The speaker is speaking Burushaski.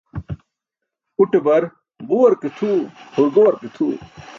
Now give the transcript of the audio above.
Uṭe bar, "ġuwar ke tʰuw, hurgowar ke tʰuw".